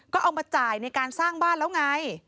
ก็เอามาจ่ายในการสร้างบ้านแล้วไง